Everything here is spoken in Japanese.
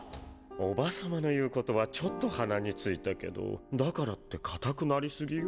おば様の言うことはちょっと鼻についたけどだからってカタくなりすぎよ。